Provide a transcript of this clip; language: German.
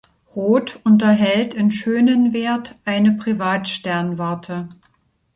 Roth unterhält in Schönenwerd eine Privatsternwarte.